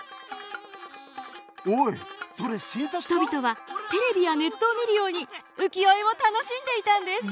人々はテレビやネットを見るように浮世絵を楽しんでいたんです。